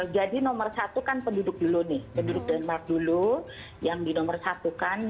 jadi nomor satu kan penduduk dulu nih penduduk denmark dulu yang di nomor satu kan